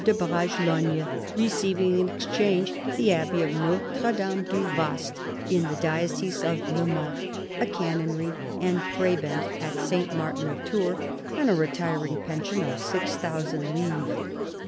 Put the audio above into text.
de Bragelogne, receiving in exchange the Abbey of Notre Dame du Wast in the diocese of Le Mans, a canonry and prebend at St. Martin of Tours, and a retiring pension of 6,000 livres.